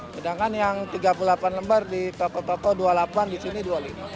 sedangkan yang tiga puluh delapan lembar di toko toko dua puluh delapan di sini rp dua puluh lima